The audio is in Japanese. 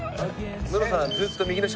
ムロさん。